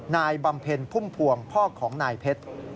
บำเพ็ญพุ่มพวงพ่อของนายเพชร